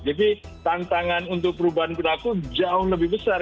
jadi tantangan untuk perubahan perilaku jauh lebih besar